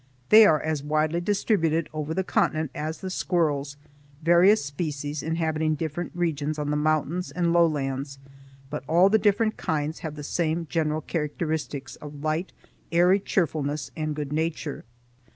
They are as widely distributed over the continent as the squirrels, various species inhabiting different regions on the mountains and lowlands, but all the different kinds have the same general characteristics of light, airy cheerfulness and good nature.